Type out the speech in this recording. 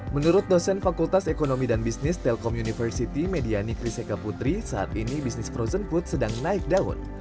menurut dosen fakultas ekonomi dan bisnis telkom university mediani krisseca putri saat ini bisnis frozen food sedang naik daun